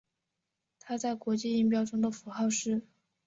它在国际音标中的符号是。